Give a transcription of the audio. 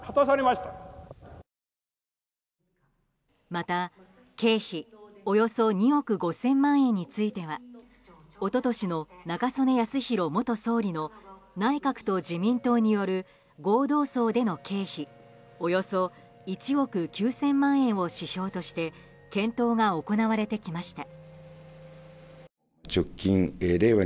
また経費およそ２億５０００万円については一昨年の中曽根康弘元総理の内閣と自民党による合同葬での経費およそ１億９０００万円を指標として検討が行われてきました。